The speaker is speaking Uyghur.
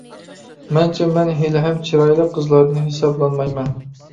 مەنچە مەن ھېلىھەم چىرايلىق قىزلاردىن ھېسابلانمايمەن.